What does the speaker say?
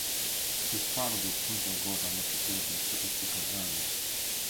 It is part of the Punta Gorda Metropolitan Statistical Area.